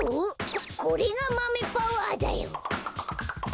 ここれがマメパワーだよ。